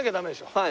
はい。